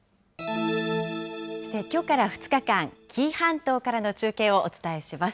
きょうから２日間、紀伊半島からの中継をお伝えします。